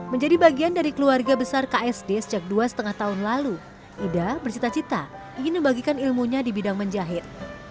menjadi bagian dari keluarga besar ksd sejak dua lima tahun lalu ida bercita cita ingin membagikan ilmunya di bidang menjahit